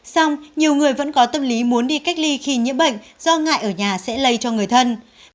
xong nhiều người vẫn có tâm lý muốn đi cách ly khi nhiễm bệnh do ngại ở nhà sẽ lây cho người thân